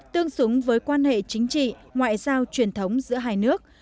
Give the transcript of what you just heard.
tương xứng với quan hệ chính trị ngoại giao truyền thống giữa hai nước